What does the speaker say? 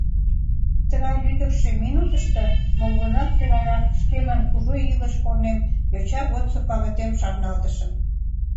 Тыгай лӱдыкшӧ минутышто, молгунамсе гаяк, шкемын кужу илыш корнем, йоча годсо пагытем шарналтышым.